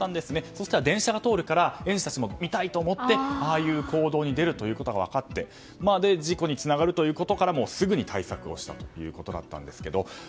そうしたら電車が通るから園児たちも見たいと思ってああいう行動に出ることが分かり事故につながるということからすぐに対策をしたということです。